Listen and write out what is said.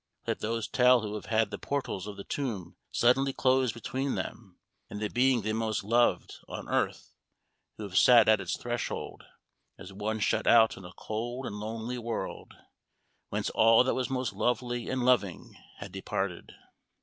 Let those tell who have had the portals of the tomb suddenly closed between them and the being they most loved on earth who have sat at its threshold, as one shut out in a cold and lonely world, whence all that was most lovely and loving had departed.